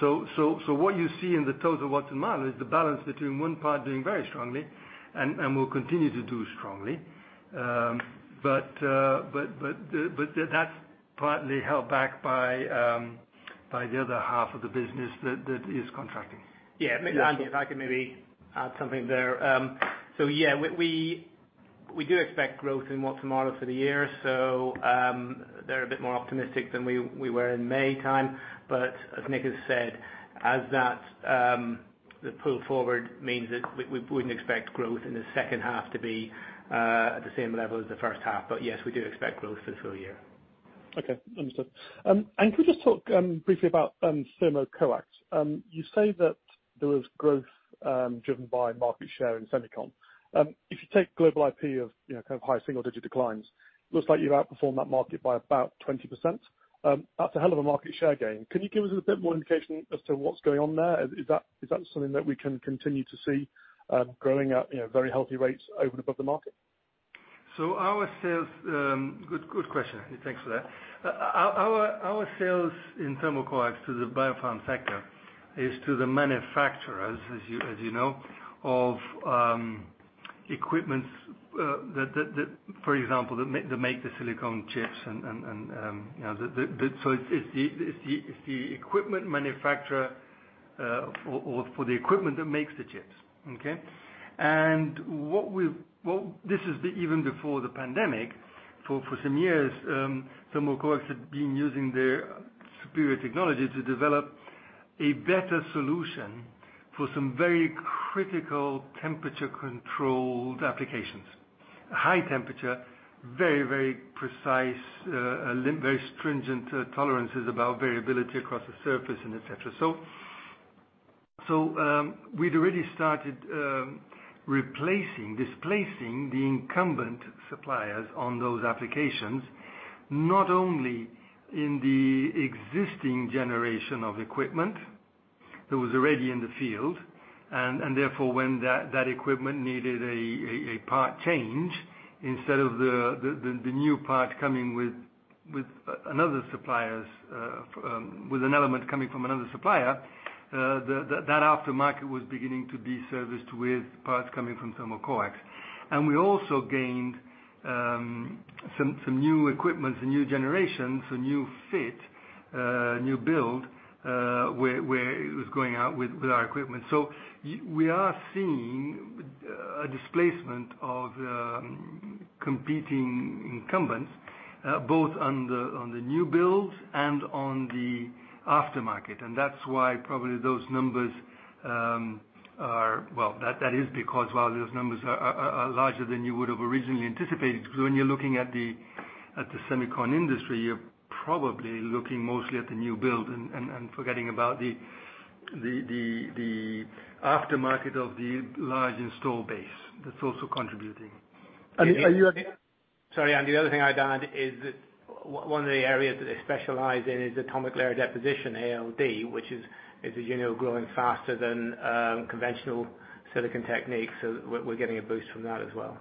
so what you see in the total Watson-Marlow is the balance between one part doing very strongly and will continue to do strongly. But that's partly held back by the other half of the business that is contracting. Yeah. And if I could maybe add something there. So yeah, we do expect growth in Watson-Marlow for the year. So they're a bit more optimistic than we were in May time. But as Nick has said, the pull forward means that we wouldn't expect growth in the second half to be at the same level as the first half. But yes, we do expect growth for the full year. Okay. Understood. Can we just talk briefly about Thermocoax? You say that there was growth driven by market share in semiconductor. If you take global IP of kind of high single-digit declines, it looks like you've outperformed that market by about 20%. That's a hell of a market share gain. Can you give us a bit more indication as to what's going on there? Is that something that we can continue to see growing at very healthy rates over and above the market? So our sales, good question. Thanks for that. Our sales in Thermocoax to the biopharma sector is to the manufacturers, as you know, of equipment, for example, that make the silicon chips. So it's the equipment manufacturer or for the equipment that makes the chips, okay? And this is even before the pandemic. For some years, Thermocoax had been using their superior technology to develop a better solution for some very critical temperature-controlled applications: high temperature, very, very precise, very stringent tolerances about variability across the surface, and etc. So we'd already started replacing, displacing the incumbent suppliers on those applications, not only in the existing generation of equipment that was already in the field. Therefore, when that equipment needed a part change, instead of the new part coming with another supplier, with an element coming from another supplier, that aftermarket was beginning to be serviced with parts coming from Thermocoax. We also gained some new equipment, some new generation, some new fit, new build where it was going out with our equipment. So we are seeing a displacement of competing incumbents, both on the new builds and on the aftermarket. That's why probably those numbers are, well, that is because while those numbers are larger than you would have originally anticipated, when you're looking at the semiconductor industry, you're probably looking mostly at the new build and forgetting about the aftermarket of the large installed base that's also contributing. Sorry, Andrew. The other thing I'd add is that one of the areas that they specialize in is Atomic Layer Deposition, ALD, which is a unit that's growing faster than conventional silicon techniques. So we're getting a boost from that as well.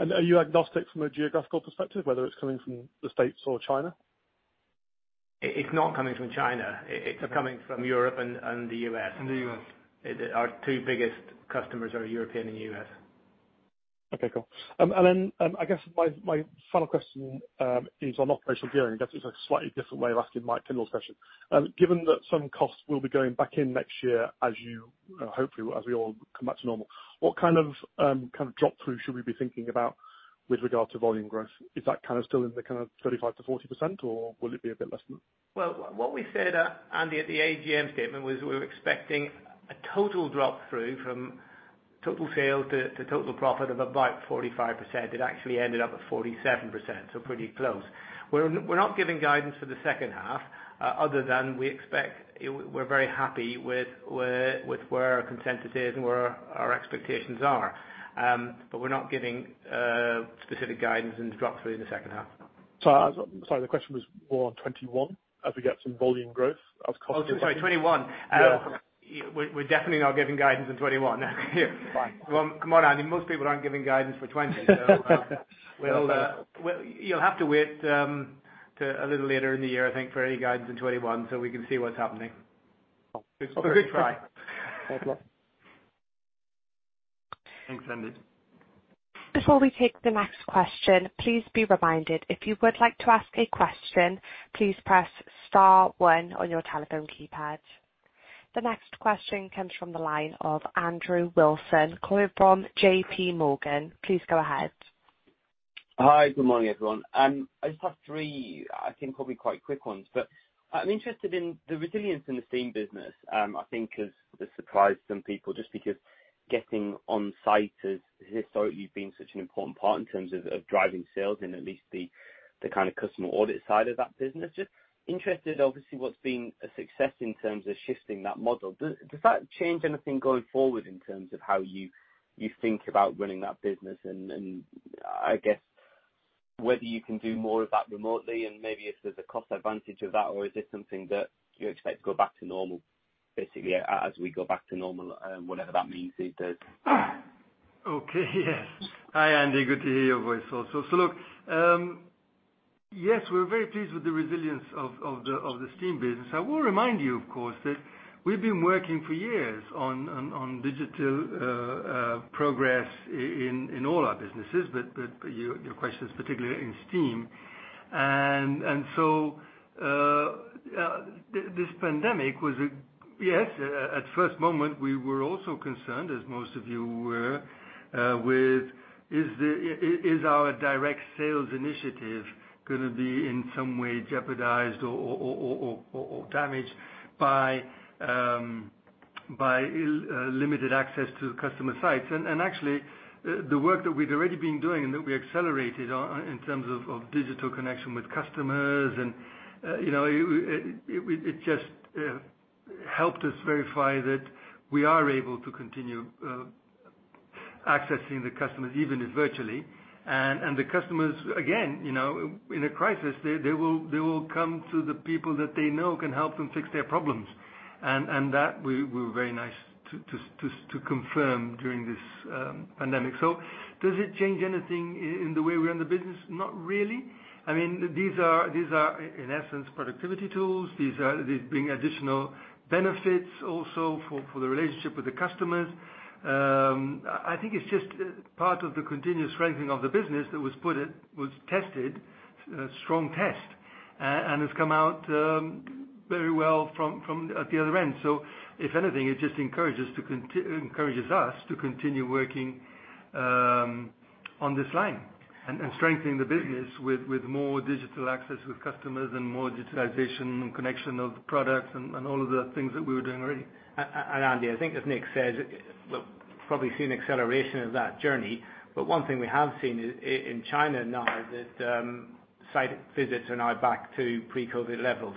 Are you agnostic from a geographical perspective, whether it's coming from the States or China? It's not coming from China. It's coming from Europe and the US. Our two biggest customers are European and US. Okay. Cool. And then I guess my final question is on operational gearing. I guess it's a slightly different way of asking Mike Penrose's question. Given that some costs will be going back in next year, hopefully, as we all come back to normal, what kind of drop-through should we be thinking about with regard to volume growth? Is that kind of still in the kind of 35%-40%, or will it be a bit less? What we said, Andy, at the AGM statement was we were expecting a total drop-through from total sales to total profit of about 45%. It actually ended up at 47%, so pretty close. We're not giving guidance for the second half other than we expect we're very happy with where our consensus is and where our expectations are. But we're not giving specific guidance and drop-through in the second half. Sorry. The question was more on 2021 as we get some volume growth as costs. Oh, sorry. 2021. We're definitely not giving guidance in 2021. Come on, Andy. Most people aren't giving guidance for 2020. You'll have to wait a little later in the year, I think, for any guidance in 2021 so we can see what's happening. It's a good try. Thanks, Andy. Before we take the next question, please be reminded if you would like to ask a question, please press star one on your telephone keypad. The next question comes from the line of Andrew Wilson, calling from J.P. Morgan. Please go ahead. Hi. Good morning, everyone. I just have three, I think, probably quite quick ones. But I'm interested in the resilience in the steam business, I think, has surprised some people just because getting on site has historically been such an important part in terms of driving sales in at least the kind of customer audit side of that business. Just interested, obviously, what's been a success in terms of shifting that model. Does that change anything going forward in terms of how you think about running that business? And I guess whether you can do more of that remotely and maybe if there's a cost advantage of that, or is it something that you expect to go back to normal, basically, as we go back to normal, whatever that means these days? Okay. Yes. Hi, Andy. Good to hear your voice also. So look, yes, we're very pleased with the resilience of the steam business. I will remind you, of course, that we've been working for years on digital progress in all our businesses, but your question is particularly in steam. And so this pandemic was, yes, at first moment, we were also concerned, as most of you were, with, is our direct sales initiative going to be in some way jeopardized or damaged by limited access to customer sites? And actually, the work that we'd already been doing and that we accelerated in terms of digital connection with customers, it just helped us verify that we are able to continue accessing the customers, even if virtually. And the customers, again, in a crisis, they will come to the people that they know can help them fix their problems. And that we were very nice to confirm during this pandemic. So does it change anything in the way we run the business? Not really. I mean, these are, in essence, productivity tools. These bring additional benefits also for the relationship with the customers. I think it's just part of the continuous strengthening of the business that was tested, a strong test, and has come out very well at the other end. So if anything, it just encourages us to continue working on this line and strengthening the business with more digital access with customers and more digitalization and connection of products and all of the things that we were doing already. Andy, I think, as Nick says, we'll probably see an acceleration of that journey. One thing we have seen in China now is that site visits are now back to pre-COVID levels.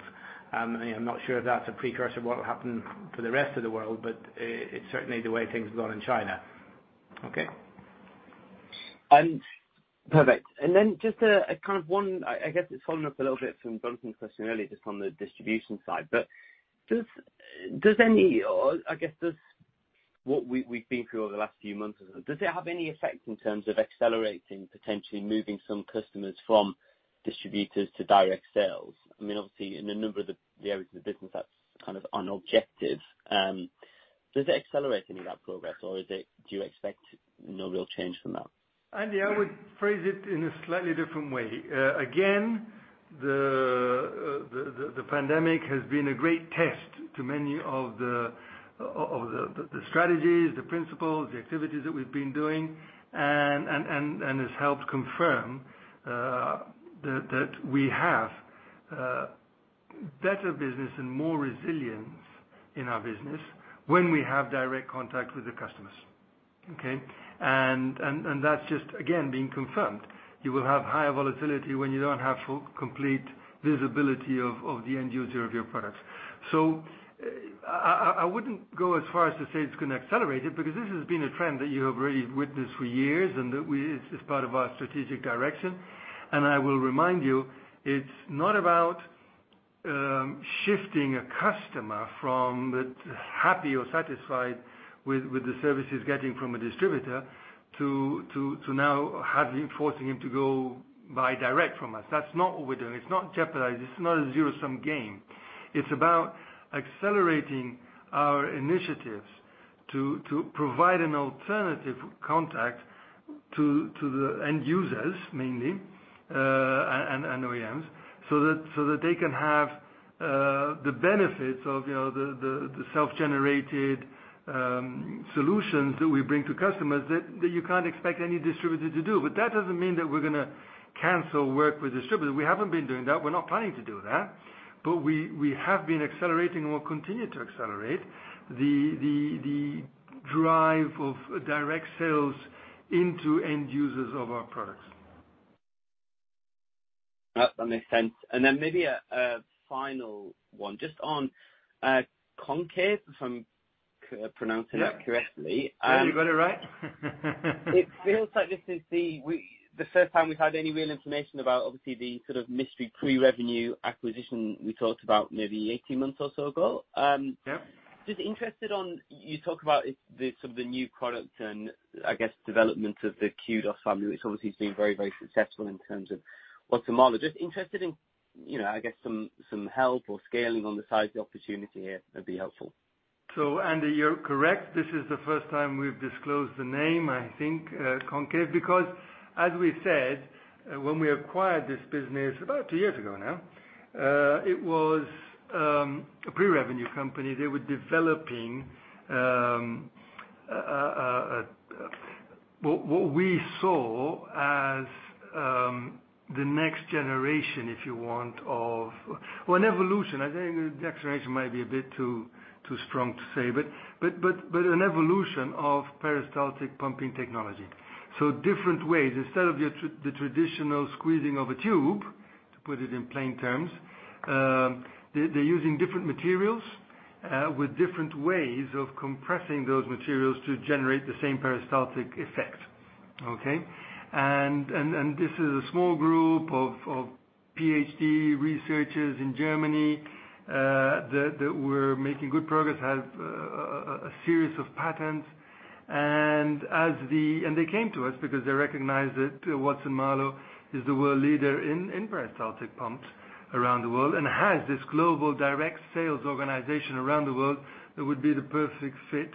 I mean, I'm not sure if that's a precursor of what will happen for the rest of the world, but it's certainly the way things have gone in China. Okay. Perfect. And then just kind of one, I guess it's following up a little bit from Jonathan's question earlier, just on the distribution side. But does any, I guess what we've been through over the last few months or so, does it have any effect in terms of accelerating, potentially moving some customers from distributors to direct sales? I mean, obviously, in a number of the areas of the business, that's kind of an objective. Does it accelerate any of that progress, or do you expect no real change from that? Andy, I would phrase it in a slightly different way. Again, the pandemic has been a great test to many of the strategies, the principles, the activities that we've been doing, and has helped confirm that we have better business and more resilience in our business when we have direct contact with the customers. Okay? And that's just, again, being confirmed. You will have higher volatility when you don't have full complete visibility of the end user of your products. So I wouldn't go as far as to say it's going to accelerate it because this has been a trend that you have already witnessed for years and that is part of our strategic direction. And I will remind you, it's not about shifting a customer from happy or satisfied with the services getting from a distributor to now having forcing him to go buy direct from us. That's not what we're doing. It's not jeopardized. It's not a zero-sum game. It's about accelerating our initiatives to provide an alternative contact to the end users, mainly, and OEMs, so that they can have the benefits of the self-generated solutions that we bring to customers that you can't expect any distributor to do. But that doesn't mean that we're going to cancel work with distributors. We haven't been doing that. We're not planning to do that. But we have been accelerating and will continue to accelerate the drive of direct sales into end users of our products. That makes sense. And then maybe a final one, just on Concave if I'm pronouncing that correctly. Yeah. You got it right. It feels like this is the first time we've had any real information about, obviously, the sort of mystery pre-revenue acquisition we talked about maybe 18 months or so ago. Just interested on you talk about some of the new products and, I guess, development of the Qdos family, which obviously has been very, very successful in terms of Watson-Marlow. Just interested in, I guess, some help or scaling on the size of the opportunity here. That'd be helpful. Andy, you're correct. This is the first time we've disclosed the name, I think, Concave, because, as we said, when we acquired this business about two years ago now, it was a pre-revenue company. They were developing what we saw as the next generation, if you want, of an evolution. I think the acceleration might be a bit too strong to say, but an evolution of peristaltic pumping technology. So different ways. Instead of the traditional squeezing of a tube, to put it in plain terms, they're using different materials with different ways of compressing those materials to generate the same peristaltic effect. Okay? And this is a small group of PhD researchers in Germany that were making good progress, had a series of patents. They came to us because they recognized that Watson-Marlow is the world leader in peristaltic pumps around the world and has this global direct sales organization around the world that would be the perfect fit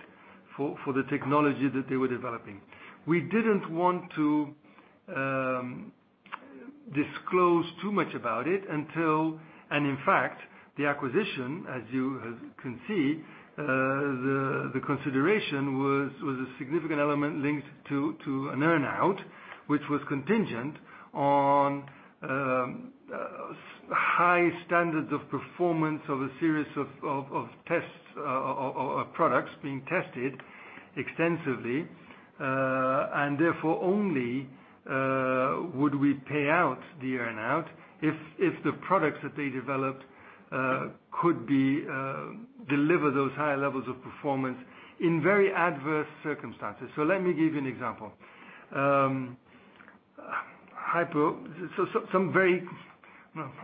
for the technology that they were developing. We didn't want to disclose too much about it until, and in fact, the acquisition, as you can see, the consideration was a significant element linked to an earnout, which was contingent on high standards of performance of a series of tests or products being tested extensively. Therefore, only would we pay out the earnout if the products that they developed could deliver those higher levels of performance in very adverse circumstances. Let me give you an example. I'm not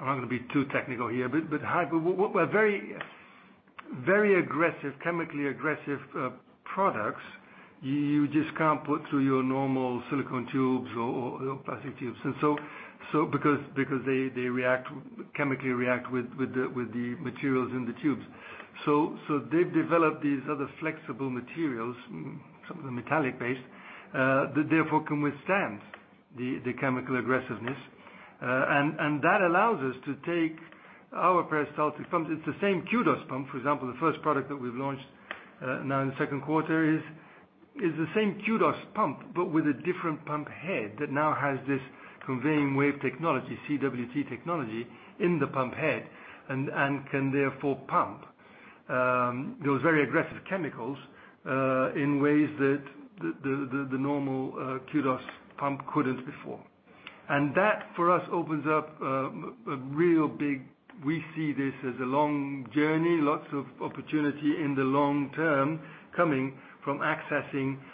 going to be too technical here, but very aggressive, chemically aggressive products you just can't put through your normal silicone tubes or plastic tubes because they chemically react with the materials in the tubes. So they've developed these other flexible materials, some of them metallic-based, that therefore can withstand the chemical aggressiveness. And that allows us to take our peristaltic pump. It's the same Qdos pump. For example, the first product that we've launched now in the second quarter is the same Qdos pump, but with a different pump head that now has this Conveying Wave Technology, CWT technology, in the pump head and can therefore pump those very aggressive chemicals in ways that the normal Qdos pump couldn't before. And that, for us, opens up a real big - we see this as a long journey, lots of opportunity in the long term coming from accessing other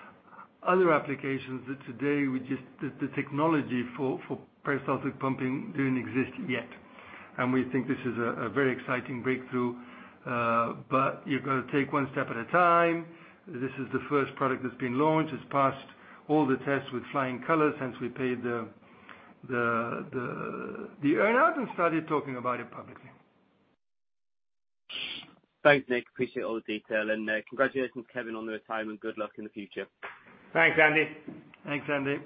applications that today the technology for peristaltic pumping didn't exist yet. And we think this is a very exciting breakthrough. But you've got to take one step at a time. This is the first product that's been launched. It's passed all the tests with flying colors since we paid the earnout and started talking about it publicly. Thanks, Nick. Appreciate all the detail. And congratulations, Kevin, on the retirement. Good luck in the future. Thanks, Andy. Thanks, Andy.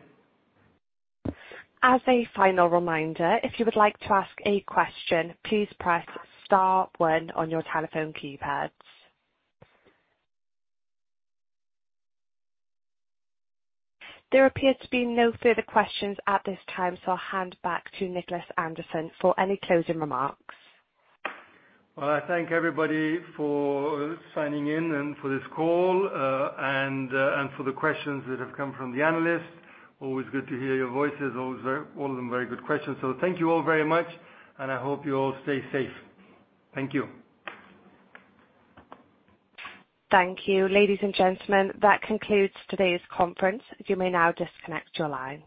As a final reminder, if you would like to ask a question, please press star one on your telephone keypads. There appears to be no further questions at this time, so I'll hand back to Nicholas Anderson for any closing remarks. I thank everybody for signing in and for this call and for the questions that have come from the analysts. Always good to hear your voices. All of them very good questions, so thank you all very much, and I hope you all stay safe. Thank you. Thank you, ladies and gentlemen. That concludes today's conference. You may now disconnect your line.